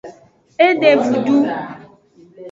E de vudo.